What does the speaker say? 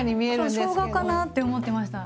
そうしょうがかなって思ってました。